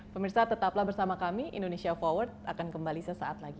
pemirsa tetaplah bersama kami indonesia forward akan kembali sesaat lagi